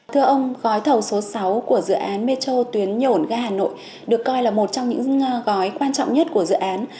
thưa ông gói thầu số sáu của dự án metro tuyến nhổn ga hà nội được coi là một trong những gói quan trọng nhất của dự án